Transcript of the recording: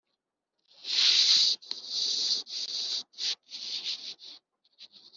Rwasabiwe gusubirishwamo ku mpamvu